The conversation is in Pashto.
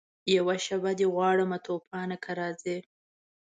یوه شېبه دي غواړمه توپانه که راځې